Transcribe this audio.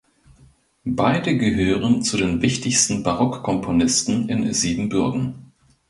Beide gehören zu den wichtigen Barockkomponisten in Siebenbürgen.